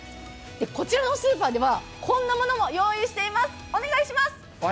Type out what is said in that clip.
こちらのスーパーでは、こんなものも用意しています。